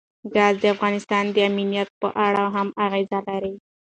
ګاز د افغانستان د امنیت په اړه هم اغېز لري.